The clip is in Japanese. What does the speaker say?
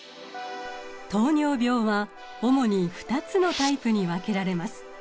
糖尿病は主に２つのタイプに分けられます。